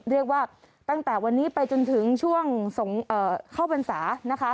เรียกว่าตั้งแต่วันนี้ไปจนถึงช่วงเข้าพรรษานะคะ